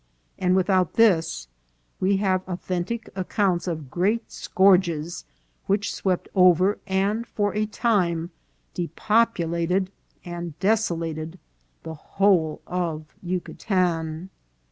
And, without this, we have au thentic accounts of great scourges which swept over, and for a time depopulated and desolated, the whole of Yu catan.